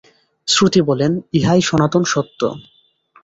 শ্রুতি বলেন, ইহাই সনাতন সত্য।